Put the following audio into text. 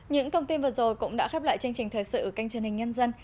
những thông tin vừa rồi cũng đã khép lại chương trình thời sự kênh truyền hình nhân dân